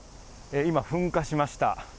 今、噴火しました。